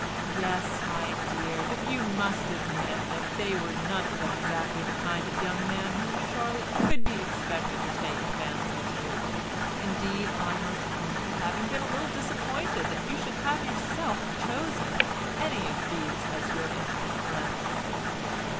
"Yes, my dear, but you must admit that they were none of them exactly the kind of young man whom Charlotte could be expected to take a fancy to. Indeed, I must own to having been a little disappointed that you should have yourself chosen any of these as your intimate friends."